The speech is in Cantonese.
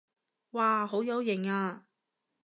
哇好有型啊